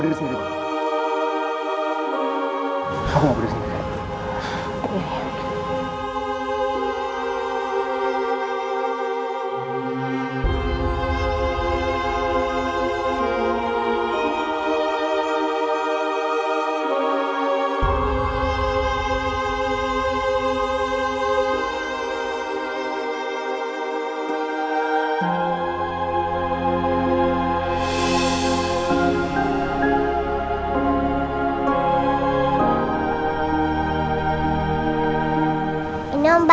kisah kisah yang terjadi di indonesia